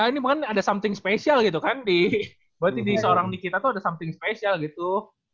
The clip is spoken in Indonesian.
iya ini kan ada something special gitu kan di berarti di seorang nikita tuh ada something special gitu